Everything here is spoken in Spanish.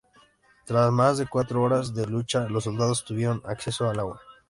Tras más de cuatro horas de lucha, los soldados tuvieron acceso al agua.